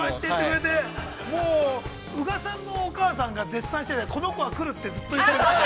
もう宇賀さんのお母さんが、絶賛してて、この子は来るって、絶対言ってた。